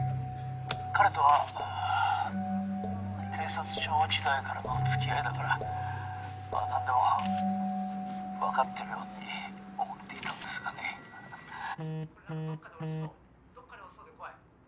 彼とははぁ警察庁時代からのつきあいだからまあ何でもわかってるように思っていたんですがねははっ。